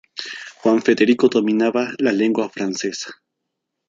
Juan Federico dominaba la lengua francesa.